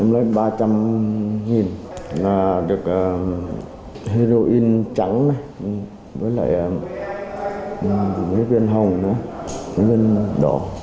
lấy ba trăm linh được heroin trắng với lại viên hồng viên đỏ